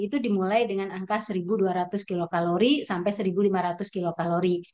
itu dimulai dengan angka seribu dua ratus kilokalori sampai satu lima ratus kilokalori